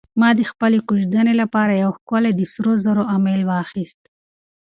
ما د خپلې کوژدنې لپاره یو ښکلی د سرو زرو امیل واخیست.